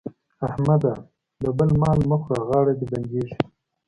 احمده! د بل مال مه خوره غاړه دې بندېږي.